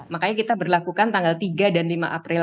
makanya kita berlakukan tanggal tiga dan lima april